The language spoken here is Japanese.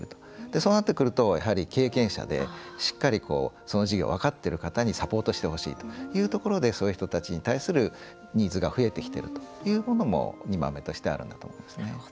そうなってくると、経験者でしっかり、その事業を分かっている方にサポートしてほしいというところでそういう人たちに対するニーズが増えてきているというのも２番目としてあると思いますね。